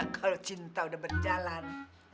kalau cinta udah berjalan